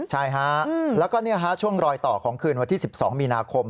ใช่ฮะแล้วก็ช่วงรอยต่อของคืนวันที่๑๒มีนาคม